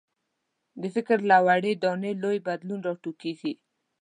د فکر له وړې دانې لوی بدلون راټوکېږي.